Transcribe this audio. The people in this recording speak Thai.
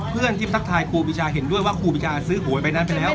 เพื่อนที่ทักทายครูปีชาเห็นด้วยว่าครูปีชาซื้อหวยใบนั้นไปแล้ว